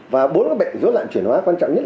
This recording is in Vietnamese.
và bốn bệnh dối loạn chuyển hóa quan trọng nhất